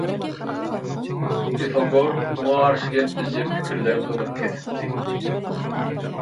Pifagor muňa garşy gelip biljek pikirleriň öňüni kesipdi.